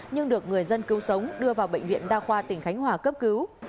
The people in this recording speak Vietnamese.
nhưng được người dân cứu sống đưa vào bệnh viện đa khoa tỉnh khánh hòa cấp cứu